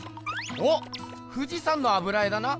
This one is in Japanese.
おっ富士山の油絵だな。